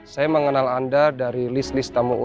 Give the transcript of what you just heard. saya mengenal anda dari list list tamu tamu